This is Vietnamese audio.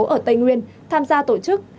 ở tây nguyên tham gia tổ chức